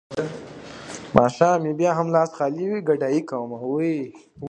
ماښام مې بيا هم لاس خالي وي ګدايي کومه.